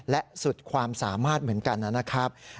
และสุดความสามารถเหมือนกันนะครับ